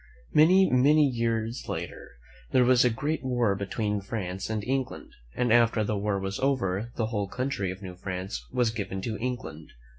Many, many years later, there was a great war between France and England, and after the war was over the whole country of New France was given to England.